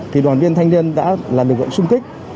thì đoàn viên thanh niên đã là lực lượng sung kích